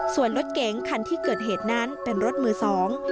ส่วนรถเก๋งคันที่เกิดเหตุนั้นเป็นรถมือสอง